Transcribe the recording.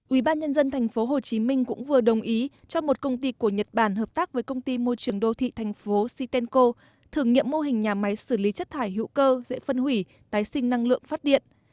ubnd tp hcm cũng vừa đồng ý cho một công ty của nhật bản hợp tác với công ty môi trường đô thị thành phố setenco thử nghiệm mô hình nhà máy xử lý chất thải hữu cơ dễ phân hủy tái sinh năng lượng phát điện